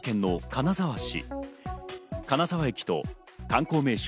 金沢駅と観光名所